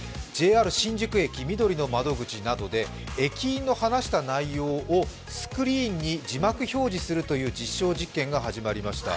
ＪＲ新宿駅みどりの窓口などで駅員の話した内容をスクリーンに字幕表示するという実証実験が始まりました。